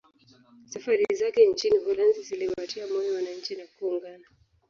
Safari zake nchini Uholanzi ziliwatia moyo wananchi na kuungana